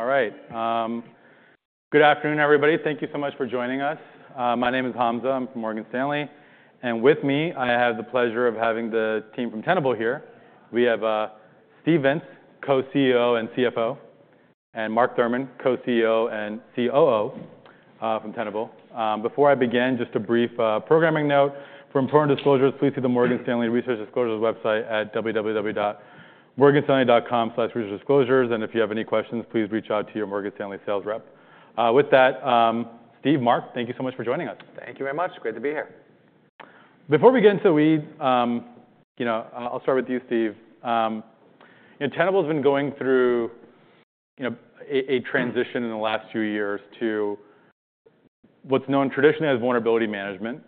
All right. Good afternoon, everybody. Thank you so much for joining us. My name is Hamza. I'm from Morgan Stanley. And with me, I have the pleasure of having the team from Tenable here. We have Steve Vintz, Co-CEO and CFO, and Mark Thurmond, Co-CEO and COO from Tenable. Before I begin, just a brief programming note for important disclosures. Please see the Morgan Stanley Research Disclosures website at www.morganstanley.com/researchdisclosures. And if you have any questions, please reach out to your Morgan Stanley sales rep. With that, Steve, Mark, thank you so much for joining us. Thank you very much. It's great to be here. Before we get into the weeds, I'll start with you, Steve. Tenable has been going through a transition in the last few years to what's known traditionally as vulnerability management,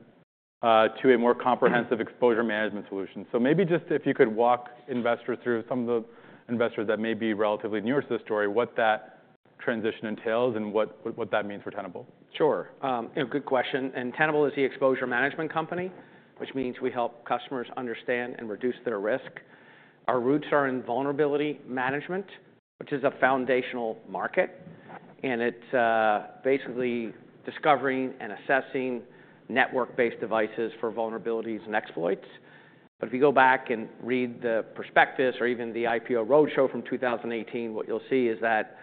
to a more comprehensive exposure management solution, so maybe just if you could walk investors through some of the investors that may be relatively newer to the story, what that transition entails and what that means for Tenable. Sure. Good question. And Tenable is the exposure management company, which means we help customers understand and reduce their risk. Our roots are in vulnerability management, which is a foundational market. And it's basically discovering and assessing network-based devices for vulnerabilities and exploits. But if you go back and read the prospectus or even the IPO roadshow from 2018, what you'll see is that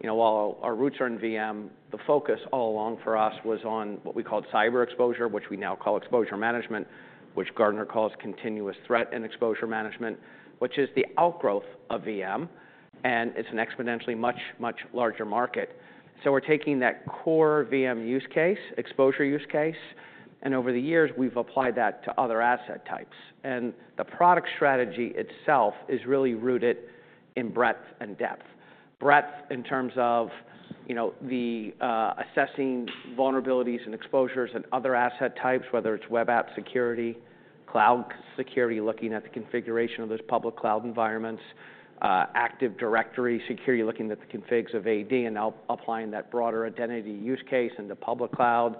while our roots are in VM, the focus all along for us was on what we called cyber exposure, which we now call exposure management, which Gartner calls Continuous Threat Exposure Management, which is the outgrowth of VM. And it's an exponentially much, much larger market. So we're taking that core VM use case, exposure use case. And over the years, we've applied that to other asset types. And the product strategy itself is really rooted in breadth and depth. Breadth in terms of assessing vulnerabilities and exposures and other asset types, whether it's web app security, cloud security, looking at the configuration of those public cloud environments, Active Directory security, looking at the configs of AD, and now applying that broader identity use case in the public cloud,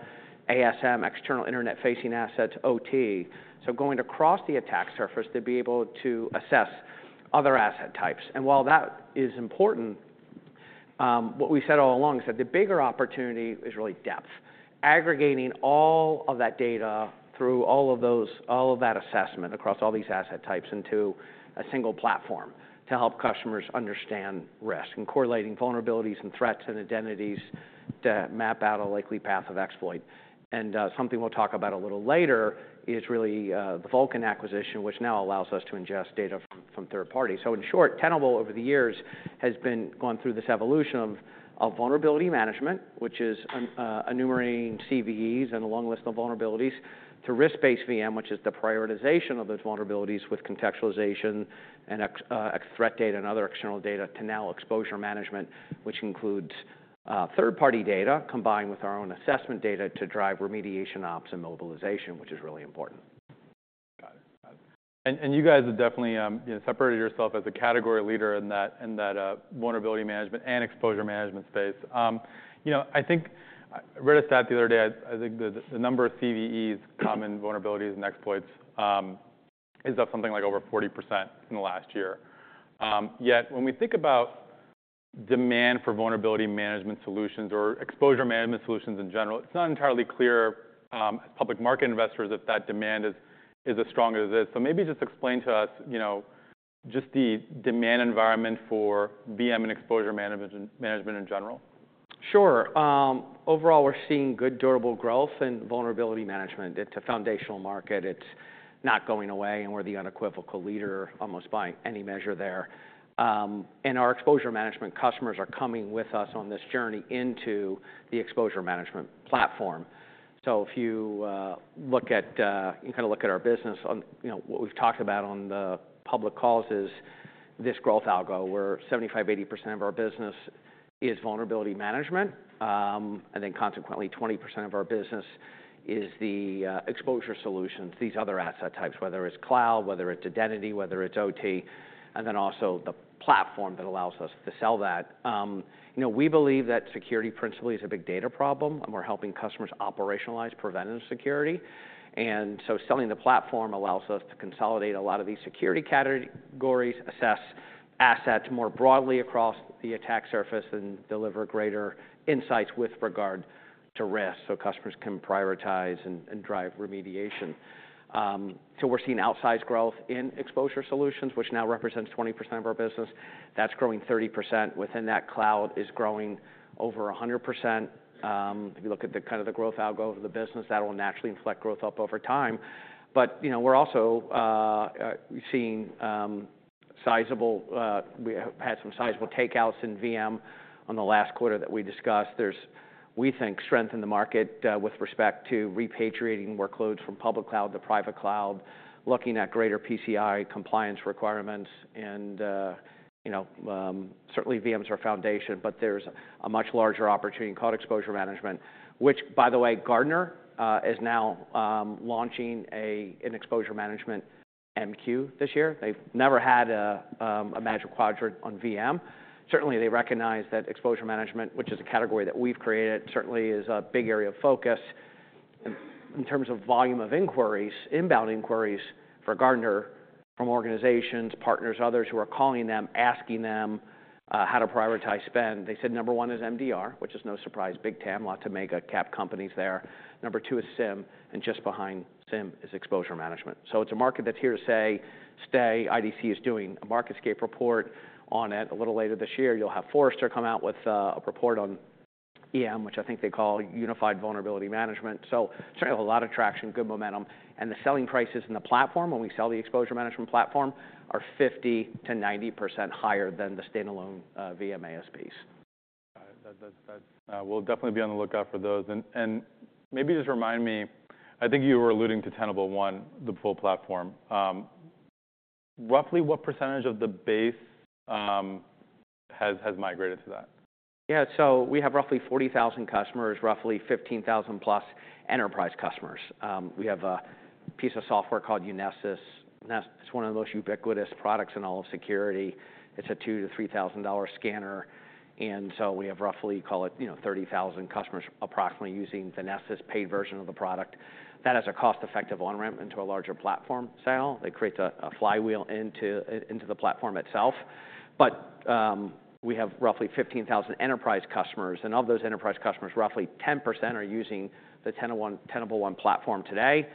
ASM, external internet-facing assets, OT. So going across the attack surface to be able to assess other asset types. And while that is important, what we said all along is that the bigger opportunity is really depth, aggregating all of that data through all of that assessment across all these asset types into a single platform to help customers understand risk and correlating vulnerabilities and threats and identities to map out a likely path of exploit. And something we'll talk about a little later is really the Vulcan acquisition, which now allows us to ingest data from third parties. So, in short, Tenable over the years has been going through this evolution of vulnerability management, which is enumerating CVEs and a long list of vulnerabilities, to risk-based VM, which is the prioritization of those vulnerabilities with contextualization and threat data and other external data, to now exposure management, which includes third-party data combined with our own assessment data to drive remediation ops and mobilization, which is really important. Got it. And you guys have definitely separated yourself as a category leader in that vulnerability management and exposure management space. I think I read a stat the other day. I think the number of CVEs, common vulnerabilities, and exploits is up something like over 40% in the last year. Yet when we think about demand for vulnerability management solutions or exposure management solutions in general, it's not entirely clear as public market investors if that demand is as strong as it is. So maybe just explain to us just the demand environment for VM and exposure management in general. Sure. Overall, we're seeing good durable growth in vulnerability management. It's a foundational market. It's not going away, and we're the unequivocal leader almost by any measure there. Our exposure management customers are coming with us on this journey into the exposure management platform, so if you look at kind of our business, what we've talked about on the public calls is this growth algo, where 75%, 80% of our business is vulnerability management, and then consequently, 20% of our business is the exposure solutions, these other asset types, whether it's cloud, whether it's identity, whether it's OT, and then also the platform that allows us to sell that. We believe that security principally is a big data problem, and we're helping customers operationalize preventative security. And so selling the platform allows us to consolidate a lot of these security categories, assess assets more broadly across the attack surface, and deliver greater insights with regard to risk so customers can prioritize and drive remediation. So we're seeing outsized growth in exposure solutions, which now represents 20% of our business. That's growing 30%. Within that, cloud is growing over 100%. If you look at the kind of growth algo of the business, that will naturally inflect growth up over time. But we're also seeing. We have had some sizable takeouts in VM on the last quarter that we discussed. There's, we think, strength in the market with respect to repatriating workloads from public cloud to private cloud, looking at greater PCI compliance requirements. And certainly, VM is our foundation. But there's a much larger opportunity in cloud exposure management, which, by the way, Gartner is now launching an exposure management MQ this year. They've never had a Magic Quadrant on VM. Certainly, they recognize that exposure management, which is a category that we've created, certainly is a big area of focus. In terms of volume of inquiries, inbound inquiries for Gartner from organizations, partners, others who are calling them, asking them how to prioritize spend, they said number one is MDR, which is no surprise, big TAM, lots of mega-cap companies there. Number two is SIEM. And just behind SIEM is exposure management. So it's a market that's here to stay. IDC is doing a MarketScape report on it. A little later this year, you'll have Forrester come out with a report on EM, which I think they call unified vulnerability management. So certainly, a lot of traction, good momentum. And the selling prices in the platform, when we sell the exposure management platform, are 50%-90% higher than the standalone VM ASPs. We'll definitely be on the lookout for those. And maybe just remind me, I think you were alluding to Tenable One, the full platform. Roughly what percentage of the base has migrated to that? Yeah. So we have roughly 40,000 customers, roughly 15,000-plus enterprise customers. We have a piece of software called Nessus. It's one of the most ubiquitous products in all of security. It's a $2,000-$3,000 scanner. And so we have roughly, call it 30,000 customers approximately using the Nessus paid version of the product. That has a cost-effective on-ramp into a larger platform sale. It creates a flywheel into the platform itself. But we have roughly 15,000 enterprise customers. And of those enterprise customers, roughly 10% are using the Tenable One platform today.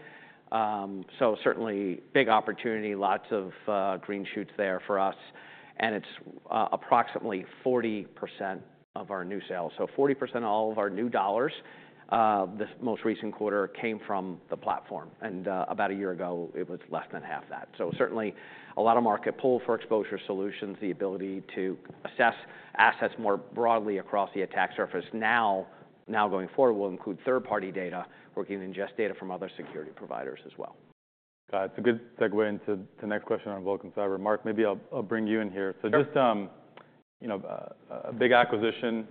So certainly, big opportunity, lots of green shoots there for us. And it's approximately 40% of our new sales. So 40% of all of our new dollars this most recent quarter came from the platform. And about a year ago, it was less than half that. Certainly, a lot of market pull for exposure solutions. The ability to assess assets more broadly across the attack surface now going forward will include third-party data. We're going to ingest data from other security providers as well. It's a good segue into the next question on Vulcan Cyber. Mark, maybe I'll bring you in here. So just a big acquisition.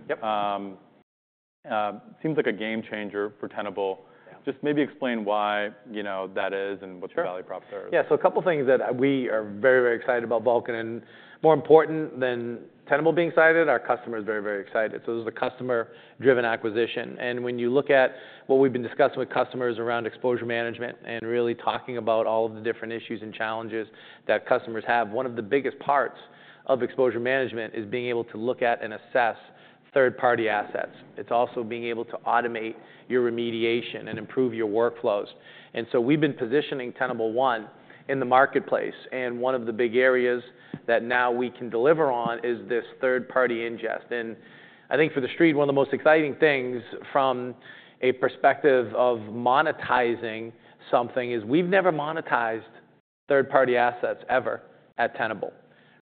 Seems like a game changer for Tenable. Just maybe explain why that is and what your value props are. Yeah. So a couple of things that we are very, very excited about Vulcan. And more important than Tenable being excited, our customer is very, very excited. So this is a customer-driven acquisition. And when you look at what we've been discussing with customers around exposure management and really talking about all of the different issues and challenges that customers have, one of the biggest parts of exposure management is being able to look at and assess third-party assets. It's also being able to automate your remediation and improve your workflows. And so we've been positioning Tenable One in the marketplace. And one of the big areas that now we can deliver on is this third-party ingest. And I think for the street, one of the most exciting things from a perspective of monetizing something is we've never monetized third-party assets ever at Tenable.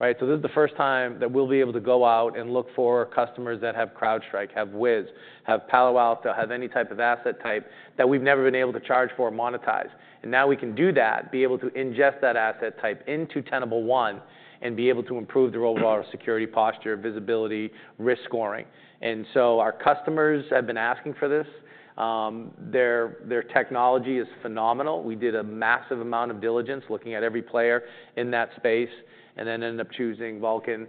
So, this is the first time that we'll be able to go out and look for customers that have CrowdStrike, have Wiz, have Palo Alto, have any type of asset type that we've never been able to charge for or monetize. And now we can do that, be able to ingest that asset type into Tenable One and be able to improve the overall security posture, visibility, risk scoring. And so our customers have been asking for this. Their technology is phenomenal. We did a massive amount of diligence looking at every player in that space and then ended up choosing Vulcan.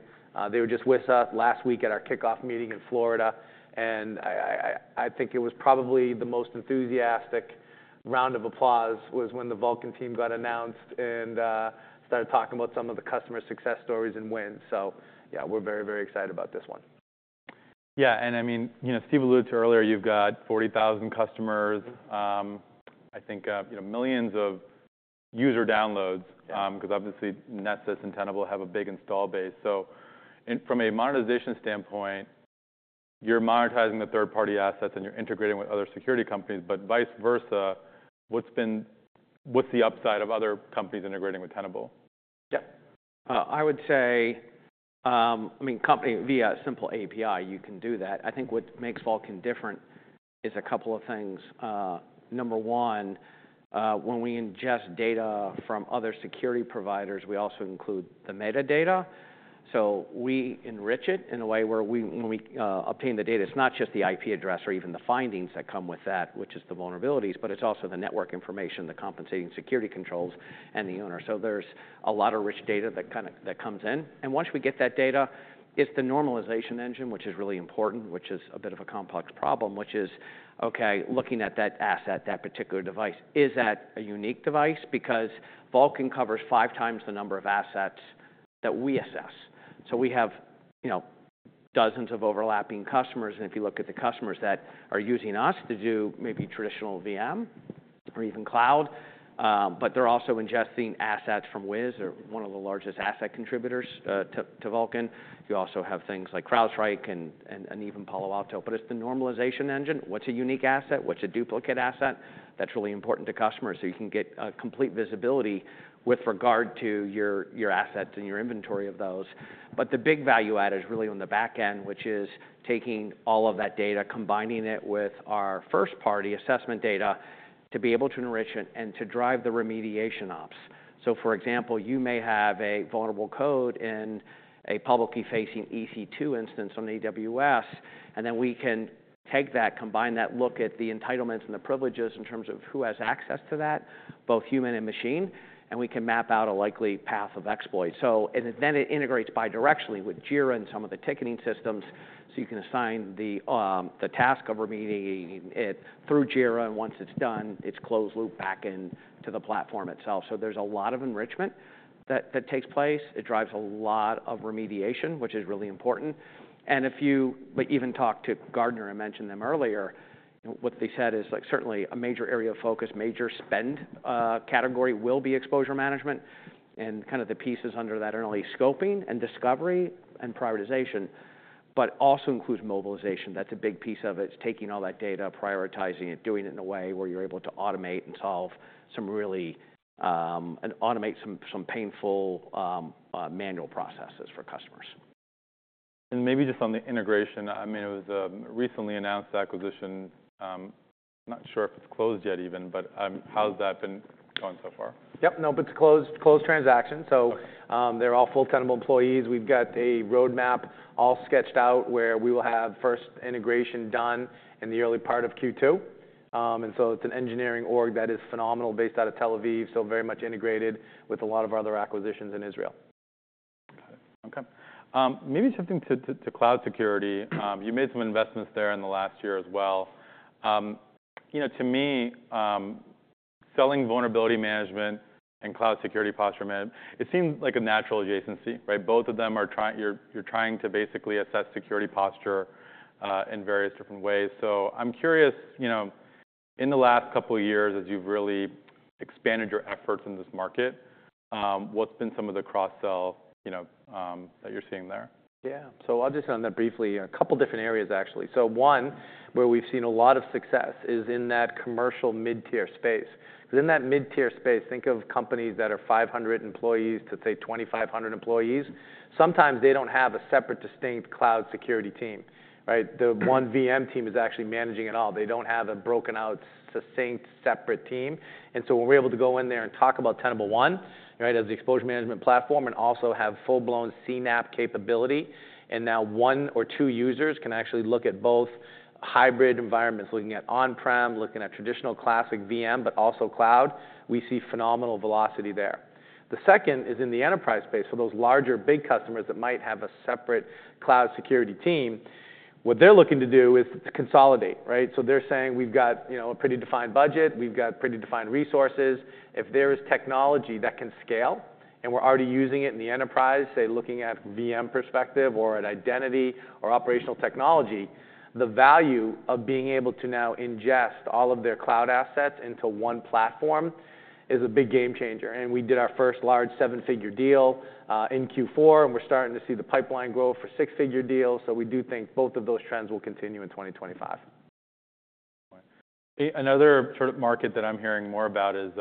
They were just with us last week at our kickoff meeting in Florida. And I think it was probably the most enthusiastic round of applause was when the Vulcan team got announced and started talking about some of the customer success stories and wins. So yeah, we're very, very excited about this one. Yeah. And I mean, Steve alluded to earlier, you've got 40,000 customers, I think millions of user downloads, because obviously Nessus and Tenable have a big install base. So from a monetization standpoint, you're monetizing the third-party assets and you're integrating with other security companies. But vice versa, what's the upside of other companies integrating with Tenable? Yeah. I would say, I mean, via a simple API, you can do that. I think what makes Vulcan different is a couple of things. Number one, when we ingest data from other security providers, we also include the metadata. So we enrich it in a way where when we obtain the data, it's not just the IP address or even the findings that come with that, which is the vulnerabilities, but it's also the network information, the compensating security controls, and the owner. So there's a lot of rich data that comes in. And once we get that data, it's the normalization engine, which is really important, which is a bit of a complex problem, which is, OK, looking at that asset, that particular device, is that a unique device? Because Vulcan covers five times the number of assets that we assess. So we have dozens of overlapping customers. And if you look at the customers that are using us to do maybe traditional VM or even cloud, but they're also ingesting assets from Wiz, one of the largest asset contributors to Vulcan. You also have things like CrowdStrike and even Palo Alto. But it's the normalization engine. What's a unique asset? What's a duplicate asset? That's really important to customers. So you can get complete visibility with regard to your assets and your inventory of those. But the big value add is really on the back end, which is taking all of that data, combining it with our first-party assessment data to be able to enrich it and to drive the remediation ops. So for example, you may have a vulnerable code in a publicly facing EC2 instance on AWS. Then we can take that, combine that, look at the entitlements and the privileges in terms of who has access to that, both human and machine. We can map out a likely path of exploit. It integrates bidirectionally with Jira and some of the ticketing systems. You can assign the task of remediating it through Jira. Once it's done, it's closed loop back into the platform itself. There's a lot of enrichment that takes place. It drives a lot of remediation, which is really important. If you even talk to Gartner and mentioned them earlier, what they said is certainly a major area of focus. Major spend category will be exposure management. Kind of the pieces under that are only scoping and discovery and prioritization, but also includes mobilization. That's a big piece of it. It's taking all that data, prioritizing it, doing it in a way where you're able to automate and solve some really painful manual processes for customers. And maybe just on the integration, I mean, it was a recently announced acquisition. I'm not sure if it's closed yet even. But how's that been going so far? Yep. Nope. It's closed transaction. So they're all full Tenable employees. We've got a roadmap all sketched out where we will have first integration done in the early part of Q2, and so it's an engineering org that is phenomenal, based out of Tel Aviv, so very much integrated with a lot of our other acquisitions in Israel. OK. Maybe something to cloud security. You made some investments there in the last year as well. To me, selling vulnerability management and cloud security posture management, it seems like a natural adjacency. Both of them are trying. You're trying to basically assess security posture in various different ways. So I'm curious, in the last couple of years, as you've really expanded your efforts in this market, what's been some of the cross-sell that you're seeing there? Yeah. So I'll just touch on that briefly, a couple of different areas, actually. So one where we've seen a lot of success is in that commercial mid-tier space. Because in that mid-tier space, think of companies that are 500-2,500 employees. Sometimes they don't have a separate, distinct cloud security team. The one VM team is actually managing it all. They don't have a broken out, succinct, separate team. And so when we're able to go in there and talk about Tenable One as the exposure management platform and also have full-blown CNAPP capability, and now one or two users can actually look at both hybrid environments, looking at on-prem, looking at traditional classic VM, but also cloud, we see phenomenal velocity there. The second is in the enterprise space for those larger, big customers that might have a separate cloud security team. What they're looking to do is consolidate, so they're saying we've got a pretty defined budget. We've got pretty defined resources. If there is technology that can scale and we're already using it in the enterprise, say, looking at VM perspective or at identity or operational technology, the value of being able to now ingest all of their cloud assets into one platform is a big game changer, and we did our first large seven-figure deal in Q4, and we're starting to see the pipeline grow for six-figure deals, so we do think both of those trends will continue in 2025. Another sort of market that I'm hearing more about is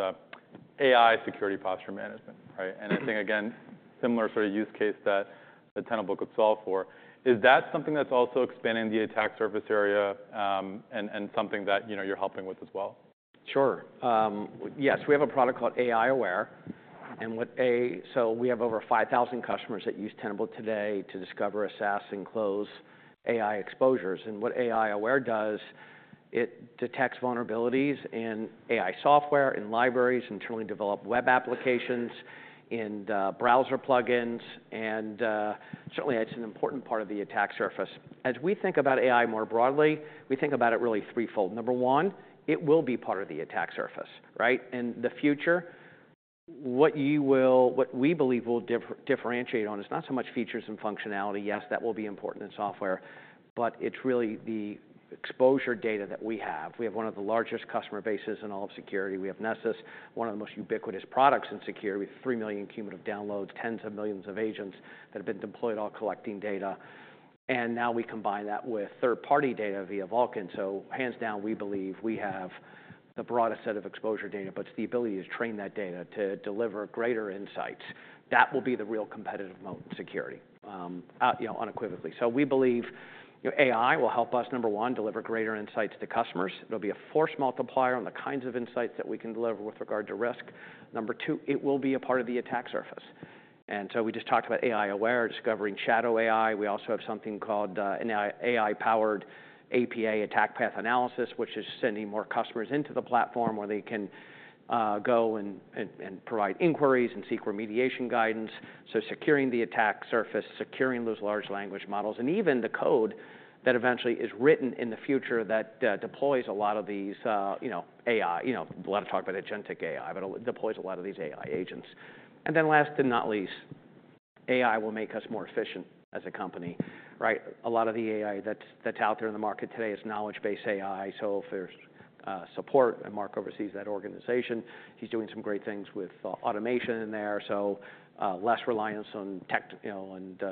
AI security posture management, and I think, again, similar sort of use case that Tenable could solve for. Is that something that's also expanding the attack surface area and something that you're helping with as well? Sure. Yes. We have a product called AI Aware. And so we have over 5,000 customers that use Tenable today to discover, assess, and close AI exposures. And what AI Aware does, it detects vulnerabilities in AI software, in libraries, internally developed web applications, in browser plug-ins. And certainly, it's an important part of the attack surface. As we think about AI more broadly, we think about it really threefold. Number one, it will be part of the attack surface. In the future, what we believe will differentiate on is not so much features and functionality. Yes, that will be important in software. But it's really the exposure data that we have. We have one of the largest customer bases in all of security. We have Nessus, one of the most ubiquitous products in security with 3 million cumulative downloads, tens of millions of agents that have been deployed, all collecting data. And now we combine that with third-party data via Vulcan. So hands down, we believe we have the broadest set of exposure data. But it's the ability to train that data to deliver greater insights. That will be the real competitive moment in security, unequivocally. So we believe AI will help us, number one, deliver greater insights to customers. It'll be a force multiplier on the kinds of insights that we can deliver with regard to risk. Number two, it will be a part of the attack surface. And so we just talked about AI Aware, discovering shadow AI. We also have something called an AI-powered APA attack path analysis, which is sending more customers into the platform where they can go and provide inquiries and seek remediation guidance. Securing the attack surface, securing those large language models, and even the code that eventually is written in the future that deploys a lot of these AI. A lot of talk about agentic AI, but it deploys a lot of these AI agents. Then last but not least, AI will make us more efficient as a company. A lot of the AI that's out there in the market today is knowledge-based AI. So if there's support, and Mark oversees that organization. He's doing some great things with automation in there. So less reliance on tech and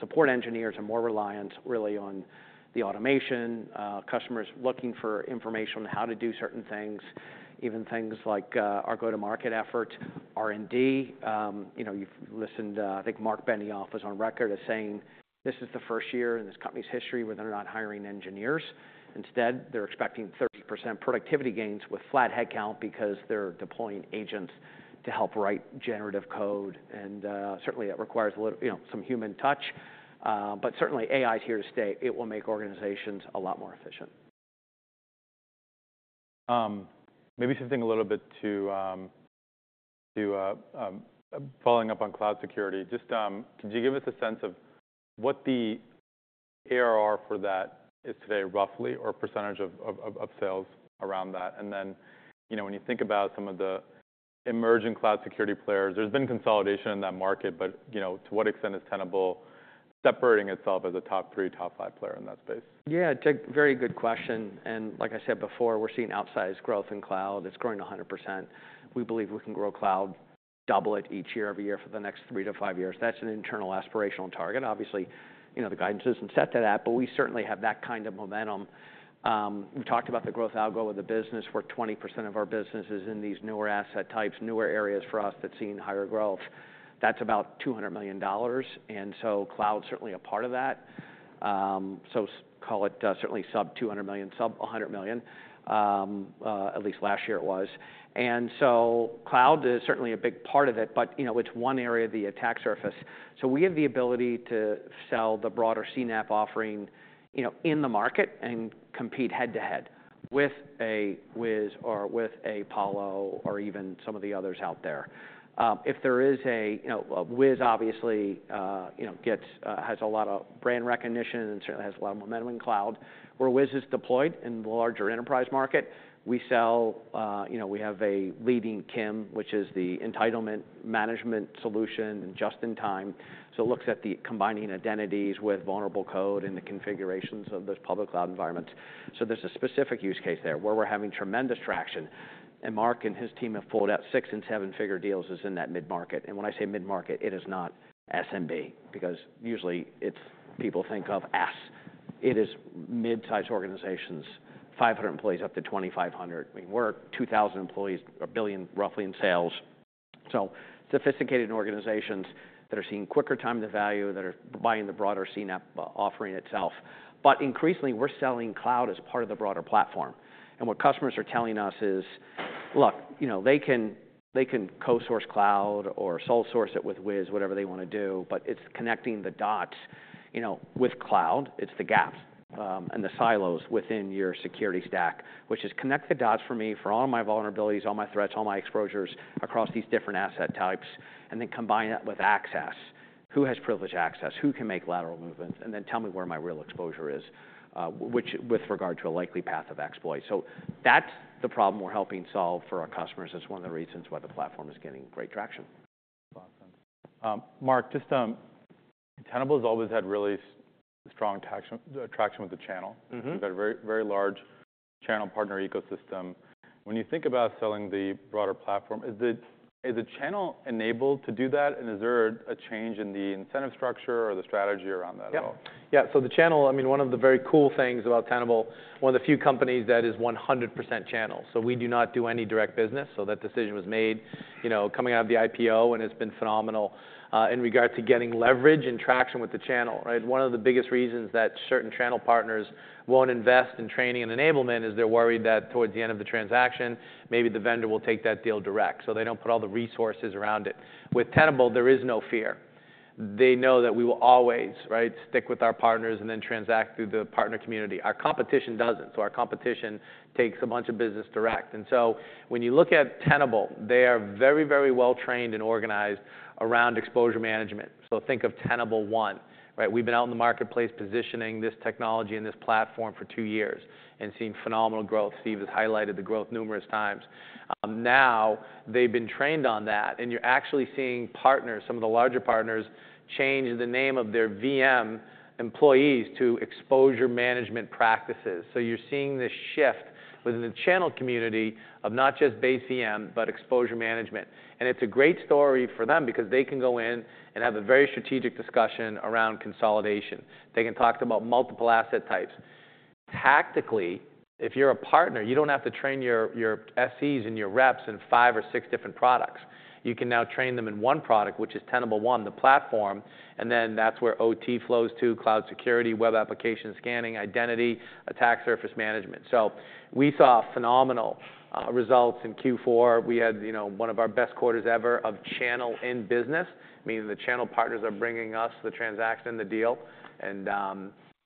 support engineers and more reliance really on the automation. Customers looking for information on how to do certain things, even things like our go-to-market effort, R&D. You've listened. I think Marc Benioff was on record as saying this is the first year in this company's history where they're not hiring engineers. Instead, they're expecting 30% productivity gains with flat headcount because they're deploying agents to help write generative code, and certainly, it requires some human touch, but certainly, AI is here to stay. It will make organizations a lot more efficient. Maybe shifting a little bit to following up on cloud security. Just could you give us a sense of what the ARR for that is today, roughly, or percentage of sales around that? And then when you think about some of the emerging cloud security players, there's been consolidation in that market. But to what extent is Tenable separating itself as a top three, top five player in that space? Yeah. Very good question. And like I said before, we're seeing outsized growth in cloud. It's growing 100%. We believe we can grow cloud double it each year, every year for the next three-to-five years. That's an internal aspirational target. Obviously, the guidance doesn't set to that. But we certainly have that kind of momentum. We've talked about the growth algo of the business, where 20% of our business is in these newer asset types, newer areas for us that see higher growth. That's about $200 million. And so cloud is certainly a part of that. So call it certainly sub-$200 million, sub-$100 million, at least last year it was. And so cloud is certainly a big part of it. But it's one area of the attack surface. So we have the ability to sell the broader CNAPP offering in the market and compete head to head with a Wiz or with a Palo or even some of the others out there. If there is a Wiz, obviously, has a lot of brand recognition and certainly has a lot of momentum in cloud. Where Wiz is deployed in the larger enterprise market, we sell. We have a leading CIEM, which is the entitlement management solution in just-in-time. So it looks at combining identities with vulnerable code and the configurations of those public cloud environments. So there's a specific use case there where we're having tremendous traction. And Mark and his team have pulled out six- and seven-figure deals in that mid-market. And when I say mid-market, it is not SMB, because usually people think of SMB. It is mid-sized organizations, 500 employees up to 2,500. We're 2,000 employees, $1 billion roughly in sales. So sophisticated organizations that are seeing quicker time to value, that are buying the broader CNAPP offering itself. But increasingly, we're selling cloud as part of the broader platform. And what customers are telling us is, look, they can co-source cloud or sole-source it with Wiz, whatever they want to do. But it's connecting the dots with cloud. It's the gaps and the silos within your security stack, which is connect the dots for me for all my vulnerabilities, all my threats, all my exposures across these different asset types, and then combine that with access. Who has privileged access? Who can make lateral movements? And then tell me where my real exposure is with regard to a likely path of exploit. That's the problem we're helping solve for our customers is one of the reasons why the platform is getting great traction. Awesome. Mark, just Tenable has always had really strong traction with the channel. They've got a very large channel partner ecosystem. When you think about selling the broader platform, is the channel enabled to do that? And is there a change in the incentive structure or the strategy around that at all? Yeah, so the channel, I mean, one of the very cool things about Tenable, one of the few companies that is 100% channel, so we do not do any direct business, so that decision was made coming out of the IPO, and it's been phenomenal in regard to getting leverage and traction with the channel. One of the biggest reasons that certain channel partners won't invest in training and enablement is they're worried that towards the end of the transaction, maybe the vendor will take that deal direct, so they don't put all the resources around it. With Tenable, there is no fear. They know that we will always stick with our partners and then transact through the partner community. Our competition doesn't, so our competition takes a bunch of business direct, and so when you look at Tenable, they are very, very well trained and organized around exposure management. So think of Tenable One. We've been out in the marketplace positioning this technology and this platform for two years and seeing phenomenal growth. Steve has highlighted the growth numerous times. Now they've been trained on that. And you're actually seeing partners, some of the larger partners, change the name of their VM employees to exposure management practices. So you're seeing this shift within the channel community of not just base VM, but exposure management. And it's a great story for them because they can go in and have a very strategic discussion around consolidation. They can talk about multiple asset types. Tactically, if you're a partner, you don't have to train your SEs and your reps in five or six different products. You can now train them in one product, which is Tenable One, the platform. That's where OT flows to cloud security, web application scanning, identity, attack surface management. We saw phenomenal results in Q4. We had one of our best quarters ever of channel business, meaning the channel partners are bringing us the transaction, the deal.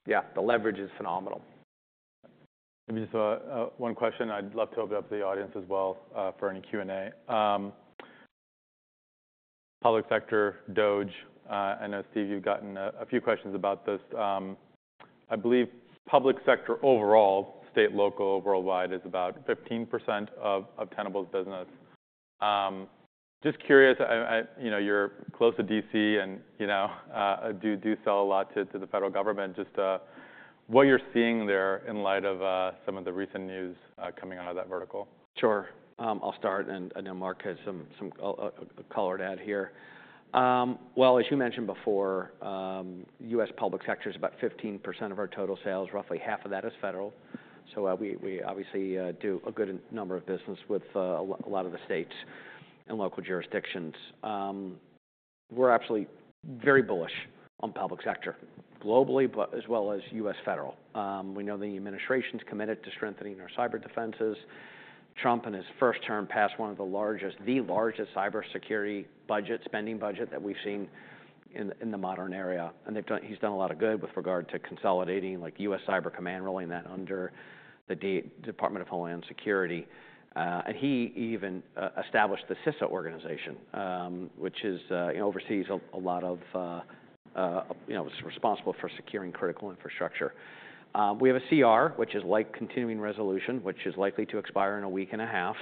Yeah, the leverage is phenomenal. Maybe just one question. I'd love to open up the audience as well for any Q&A. Public sector, DOGE. I know, Steve, you've gotten a few questions about this. I believe public sector overall, state, local, worldwide, is about 15% of Tenable's business. Just curious, you're close to DC and do sell a lot to the federal government. Just what you're seeing there in light of some of the recent news coming out of that vertical? Sure. I'll start. I know Mark has some color to add here. As you mentioned before, U.S. public sector is about 15% of our total sales. Roughly half of that is federal. So we obviously do a good number of business with a lot of the states and local jurisdictions. We're absolutely very bullish on public sector globally, but as well as U.S. federal. We know the administration's committed to strengthening our cyber defenses. Trump, in his first term, passed one of the largest, the largest cybersecurity budget, spending budget that we've seen in the modern era. He's done a lot of good with regard to consolidating, like U.S. Cyber Command, rolling that under the Department of Homeland Security. He even established the CISA organization, which oversees a lot, was responsible for securing critical infrastructure. We have a CR, which is like continuing resolution, which is likely to expire in a week and a half.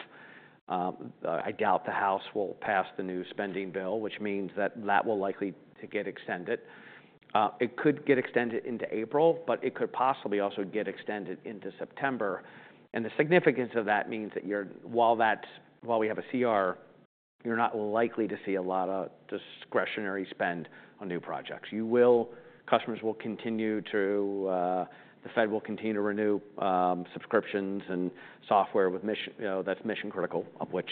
I doubt the House will pass the new spending bill, which means that that will likely get extended. It could get extended into April, but it could possibly also get extended into September. The significance of that means that while we have a CR, you're not likely to see a lot of discretionary spend on new projects. Customers will continue to, the Fed will continue to renew subscriptions and software that's mission critical, of which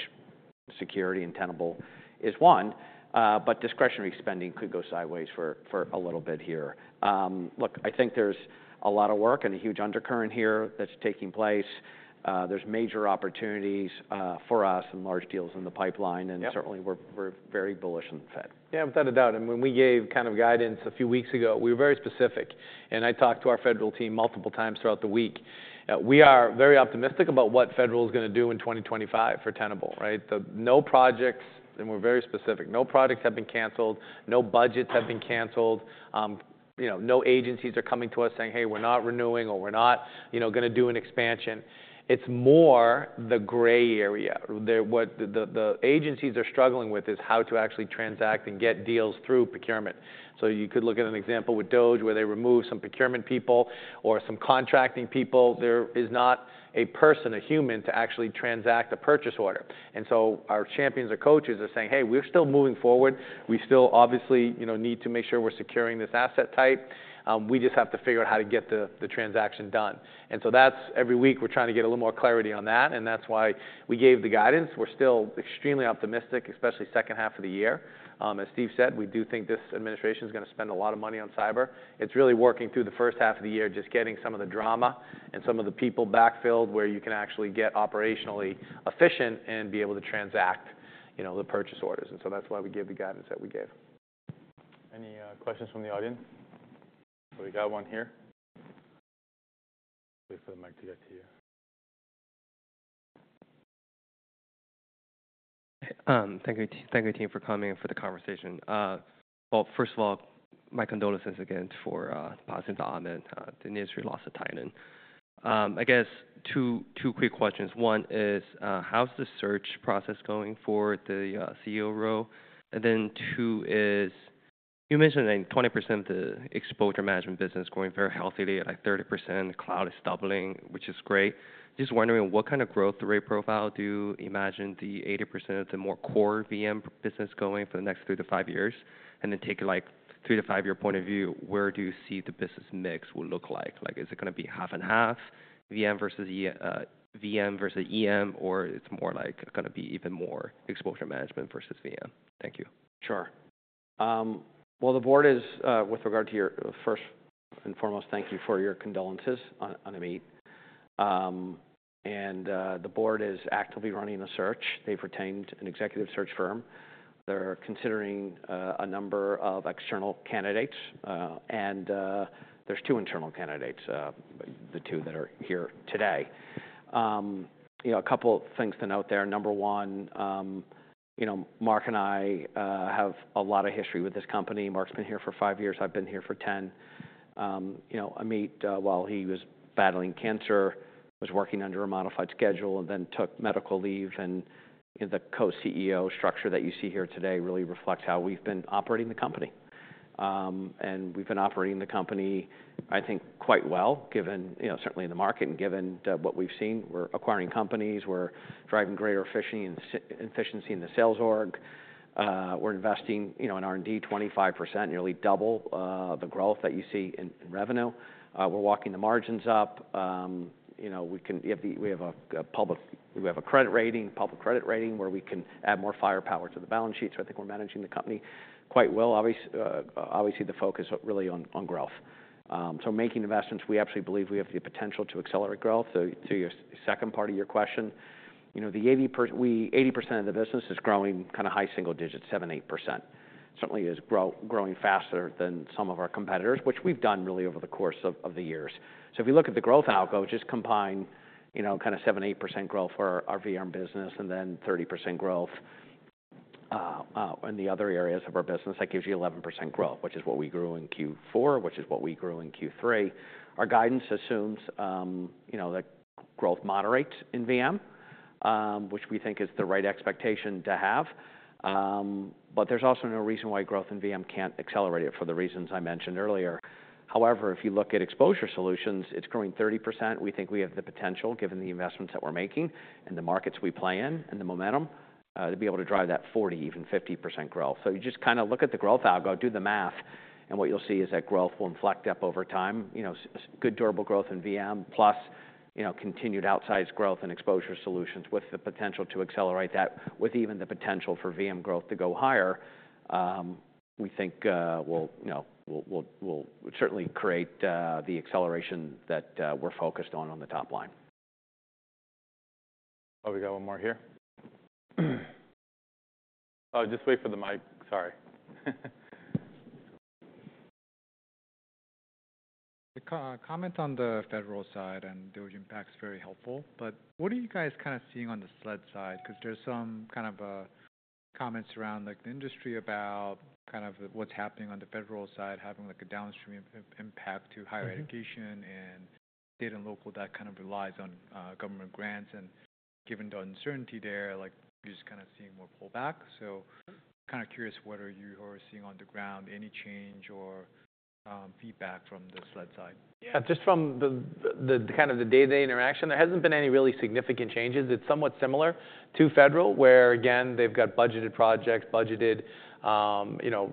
security and Tenable is one. But discretionary spending could go sideways for a little bit here. Look, I think there's a lot of work and a huge undercurrent here that's taking place. There's major opportunities for us and large deals in the pipeline. Certainly, we're very bullish on the Fed. Yeah, without a doubt. And when we gave kind of guidance a few weeks ago, we were very specific. And I talked to our federal team multiple times throughout the week. We are very optimistic about what federal is going to do in 2025 for Tenable. No projects, and we're very specific, no projects have been canceled, no budgets have been canceled, no agencies are coming to us saying, hey, we're not renewing or we're not going to do an expansion. It's more the gray area. What the agencies are struggling with is how to actually transact and get deals through procurement. So you could look at an example with DOGE, where they remove some procurement people or some contracting people. There is not a person, a human, to actually transact a purchase order. And so our champions or coaches are saying, hey, we're still moving forward. We still obviously need to make sure we're securing this asset type. We just have to figure out how to get the transaction done. And so that's every week we're trying to get a little more clarity on that. And that's why we gave the guidance. We're still extremely optimistic, especially second half of the year. As Steve said, we do think this administration is going to spend a lot of money on cyber. It's really working through the first half of the year, just getting some of the drama and some of the people backfilled where you can actually get operationally efficient and be able to transact the purchase orders. And so that's why we gave the guidance that we gave. Any questions from the audience? We got one here. Wait for the mic to get to you. Thank you, team, for coming and for the conversation. First of all, my condolences again for the passing of Amit. The news really lost a titan. I guess two quick questions. One is, how's the search process going for the CEO role? And then two is, you mentioned 20% of the exposure management business is growing very healthily, like 30%. Cloud is doubling, which is great. Just wondering what kind of growth rate profile do you imagine the 80% of the more core VM business going for the next three to five years? And then take a three to five-year point of view, where do you see the business mix will look like? Is it going to be half and half, VM versus EM, or it's more like going to be even more exposure management versus VM? Thank you. Sure, well, the board is, with regard to your first and foremost, thank you for your condolences on Amit, and the board is actively running a search. They've retained an executive search firm. They're considering a number of external candidates, and there's two internal candidates, the two that are here today. A couple of things to note there. Number one, Mark and I have a lot of history with this company. Mark's been here for five years. I've been here for 10. Amit, while he was battling cancer, was working under a modified schedule and then took medical leave, and the co-CEO structure that you see here today really reflects how we've been operating the company, and we've been operating the company, I think, quite well, certainly in the market and given what we've seen. We're acquiring companies. We're driving greater efficiency in the sales org. We're investing in R&D 25%, nearly double the growth that you see in revenue. We're walking the margins up. We have a public, we have a credit rating, public credit rating, where we can add more firepower to the balance sheet. So I think we're managing the company quite well. Obviously, the focus is really on growth. So making investments, we actually believe we have the potential to accelerate growth. To your second part of your question, 80% of the business is growing kind of high single digits, 7%, 8%. Certainly, it is growing faster than some of our competitors, which we've done really over the course of the years. So if you look at the growth outlook, just combine kind of 7%, 8% growth for our VM business and then 30% growth in the other areas of our business. That gives you 11% growth, which is what we grew in Q4, which is what we grew in Q3. Our guidance assumes that growth moderates in VM, which we think is the right expectation to have. But there's also no reason why growth in VM can't accelerate it for the reasons I mentioned earlier. However, if you look at exposure solutions, it's growing 30%. We think we have the potential, given the investments that we're making and the markets we play in and the momentum, to be able to drive that 40%, even 50% growth. So you just kind of look at the growth algo, do the math. And what you'll see is that growth will inflect up over time. Good durable growth in VM, plus continued outsized growth in exposure solutions with the potential to accelerate that, with even the potential for VM growth to go higher, we think will certainly create the acceleration that we're focused on the top line. Oh, we got one more here. Oh, just wait for the mic. Sorry. Comment on the federal side and DOGE impact is very helpful. But what are you guys kind of seeing on the SLED side? Because there's some kind of comments around the industry about kind of what's happening on the federal side, having a downstream impact to higher education and state and local that kind of relies on government grants. And given the uncertainty there, you're just kind of seeing more pullback. So kind of curious, what are you seeing on the ground? Any change or feedback from the SLED side? Yeah, just from kind of the day-to-day interaction, there hasn't been any really significant changes. It's somewhat similar to federal, where, again, they've got budgeted projects, budgeted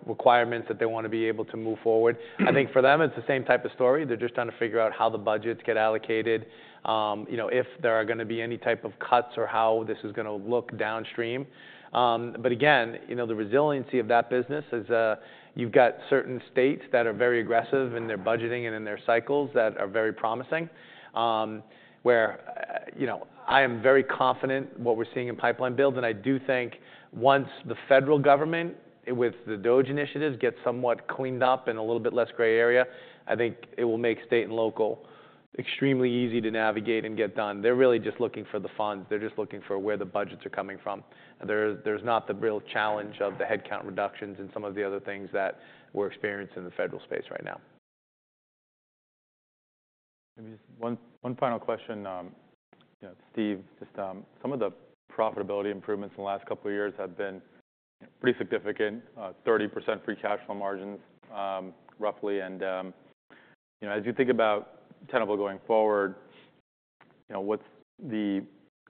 requirements that they want to be able to move forward. I think for them, it's the same type of story. They're just trying to figure out how the budgets get allocated, if there are going to be any type of cuts or how this is going to look downstream. But again, the resiliency of that business is you've got certain states that are very aggressive in their budgeting and in their cycles that are very promising, where I am very confident what we're seeing in pipeline build. And I do think once the federal government, with the DOGE initiatives, gets somewhat cleaned up in a little bit less gray area, I think it will make state and local extremely easy to navigate and get done. They're really just looking for the funds. They're just looking for where the budgets are coming from. There's not the real challenge of the headcount reductions and some of the other things that we're experiencing in the federal space right now. Maybe just one final question. Steve, just some of the profitability improvements in the last couple of years have been pretty significant, 30% free cash flow margins, roughly. And as you think about Tenable going forward,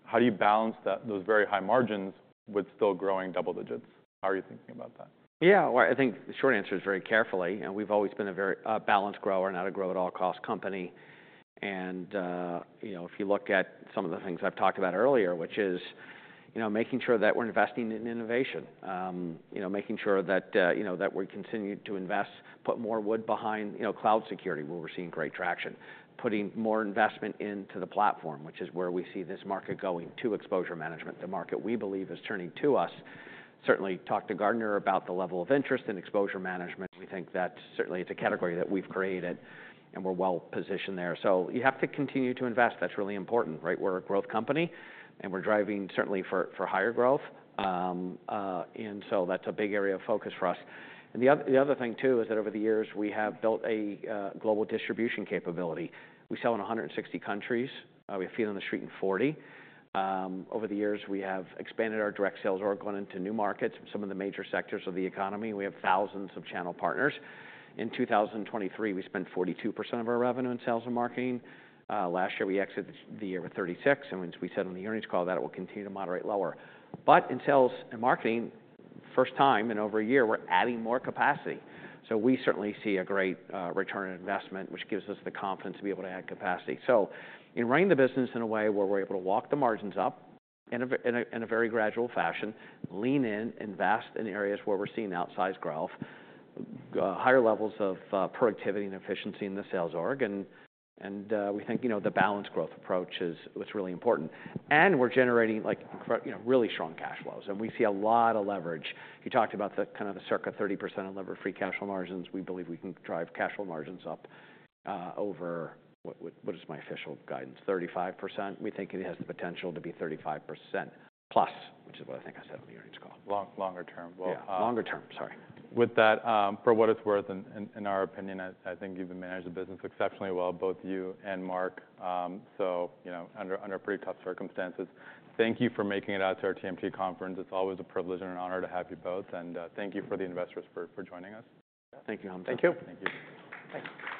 how do you balance those very high margins with still growing double digits? How are you thinking about that? Yeah, I think the short answer is very carefully. We've always been a very balanced grower, not a grow at all cost company. And if you look at some of the things I've talked about earlier, which is making sure that we're investing in innovation, making sure that we continue to invest, put more wood behind cloud security, where we're seeing great traction, putting more investment into the platform, which is where we see this market going to exposure management, the market we believe is turning to us. Certainly, talked to Gartner about the level of interest in exposure management. We think that certainly it's a category that we've created and we're well positioned there. So you have to continue to invest. That's really important. We're a growth company and we're driving certainly for higher growth. And so that's a big area of focus for us. And the other thing, too, is that over the years, we have built a global distribution capability. We sell in 160 countries. We have feet on the street in 40. Over the years, we have expanded our direct sales org going into new markets, some of the major sectors of the economy. We have thousands of channel partners. In 2023, we spent 42% of our revenue in sales and marketing. Last year, we exited the year with 36%. And once we said on the earnings call that it will continue to moderate lower. But in sales and marketing, first time in over a year, we're adding more capacity. So we certainly see a great return on investment, which gives us the confidence to be able to add capacity. In running the business in a way where we're able to walk the margins up in a very gradual fashion, lean in, invest in areas where we're seeing outsized growth, higher levels of productivity and efficiency in the sales org. We think the balanced growth approach is really important. We're generating really strong cash flows. We see a lot of leverage. You talked about kind of the circa 30% of levered free cash flow margins. We believe we can drive cash flow margins up over what is my official guidance, 35%. We think it has the potential to be 35% plus, which is what I think I said on the earnings call. Longer term. Yeah, longer term, sorry. With that, for what it's worth, in our opinion, I think you've managed the business exceptionally well, both you and Mark, so under pretty tough circumstances, thank you for making it out to our TMT conference. It's always a privilege and an honor to have you both, and thank you to the investors for joining us. Thank you, Hamza. Thank you. Thank you.